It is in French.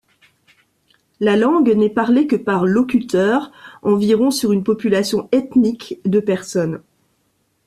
La langue n'est parlée que par locuteurs environ sur une population ethnique de personnes.